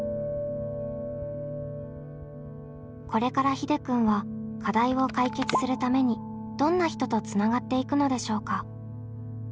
これからひでくんは課題を解決するためにどんな人とつながっていくのでしょうか？